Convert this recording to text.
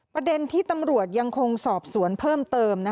ประเด็นที่ตำรวจยังคงสอบสวนเพิ่มเติม